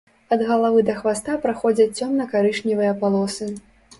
Ад галавы да хваста праходзяць цёмна-карычневыя палосы.